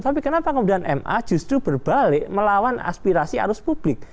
tapi kenapa kemudian ma justru berbalik melawan aspirasi arus publik